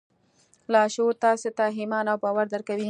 لاشعور تاسې ته ایمان او باور درکوي